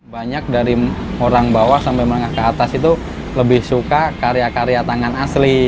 banyak dari orang bawah sampai menengah ke atas itu lebih suka karya karya tangan asli